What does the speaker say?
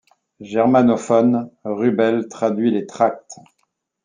Germanophone, Rubel traduit les tracts.